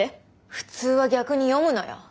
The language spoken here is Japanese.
普通は逆に読むのよ。